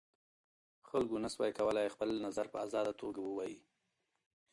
خلګو نسوای کولای خپل نظر په ازاده توګه ووایي.